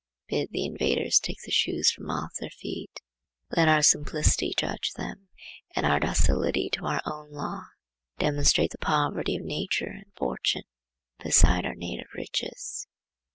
Bid the invaders take the shoes from off their feet, for God is here within. Let our simplicity judge them, and our docility to our own law demonstrate the poverty of nature and fortune beside our native riches.